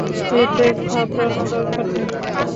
এতে ঘাবড়ানো দরকার নেই।